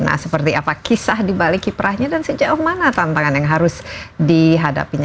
nah seperti apa kisah dibalik kiprahnya dan sejauh mana tantangan yang harus dihadapinya